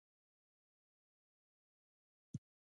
نورو پر وړاندې هر څه جایز ګڼي